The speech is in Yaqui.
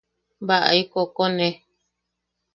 Baʼai kokone.